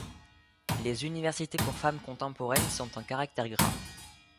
Les universités pour femmes contemporaines sont en caractères gras.